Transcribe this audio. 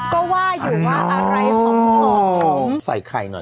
ก็ว่าอยู่ว่าอะไรหอมใส่ไข่หน่อย